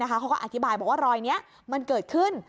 เขาก็อธิบายบอกว่ารอยนี้มันเกิดขึ้น